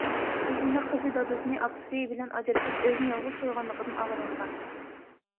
تېلېفوندا قىزى دادىسىنى ئاپىسى بىلەن ئاجرىشىپ، ئۆزىنى يالغۇز قويغانلىقىدىن ئاغرىنغان.